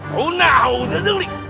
mau ngawur deh jeng